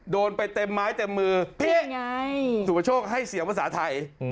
โดนไปเต็มไม้เต็มมือเพี๊ยะสูบโชคให้เสียงภาษาไทยอะไรฮะ